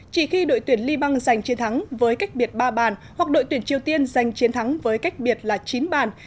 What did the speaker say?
chỉ khi đội tuyển li băng giành chiến thắng với cách biệt ba bàn hoặc đội tuyển triều tiên giành chiến thắng với cách biệt là chín bàn